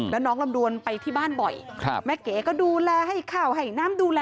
แล้วน้องลำดวนไปที่บ้านบ่อยแม่เก๋ก็ดูแลให้ข้าวให้น้ำดูแล